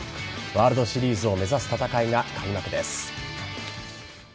ワールドシリーズを目指す戦いが開幕です。